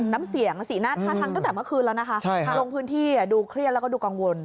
น้ำเสียงสีหน้าท่าทางตั้งแต่เมื่อคืนแล้วนะคะลงพื้นที่ดูเครียดแล้วก็ดูกังวล